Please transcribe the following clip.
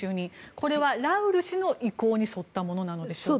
これはラウル氏の意向に沿ったものなんでしょうか。